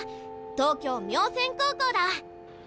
東京明泉高校だ。